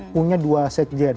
punya dua set gen